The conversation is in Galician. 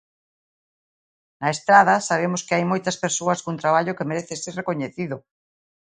Na Estrada sabemos que hai moitas persoas cun traballo que merece ser recoñecido.